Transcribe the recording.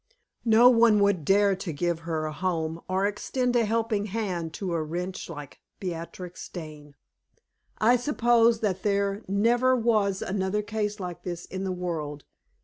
No one would dare to give her a home or extend a helping hand to a wretch like Beatrix Dane. I suppose that there never was another case like this in the world.